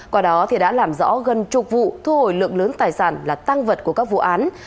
qua đó đã làm rõ gần chục vụ thu hồi lượng lớn tài sản là tăng vật của các vụ án